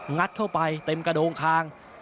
งัดเข้าไปเต็มกระโดงคาง